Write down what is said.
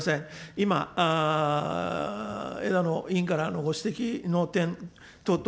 今、枝野委員からのご指摘の点等々、